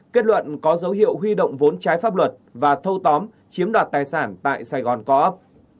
kết luận có dấu hiệu huy động vốn trái pháp luật và thâu tóm chiếm đoạt tài sản tại sài gòn co op